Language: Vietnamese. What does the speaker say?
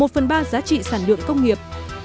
một phần ba giá trị sản lượng công nghiệp